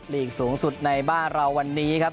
ลีกสูงสุดในบ้านเราวันนี้ครับ